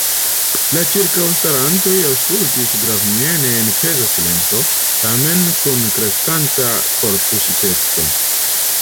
La ĉirkaŭstarantoj aŭskultis gravamiene en peza silento, tamen kun kreskanta kortuŝiteco.